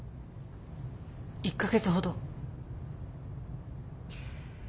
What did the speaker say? １カ月ほど。